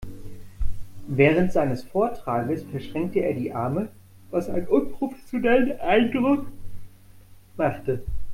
Während seines Vortrages verschränkte er die Arme, was einen unprofessionellen Eindruck machte.